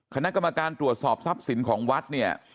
คณะกรรมการตรวจสอบทรัพย์สินของวัดเนี่ย